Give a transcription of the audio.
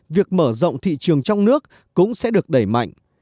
việc mở rộng thị trường trong nước cũng sẽ được đẩy mạnh